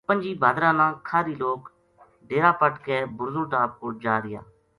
پنجی بھادرا نا کھاہری لوک ڈیرا پَٹ کے بُرزل ٹاپ کول جا رہیا